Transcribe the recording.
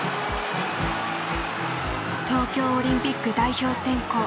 東京オリンピック代表選考。